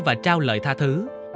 và trao lời tha thứ